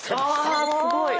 わすごい！